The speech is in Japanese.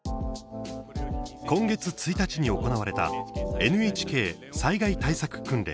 今月１日に行われたＮＨＫ災害対策訓練。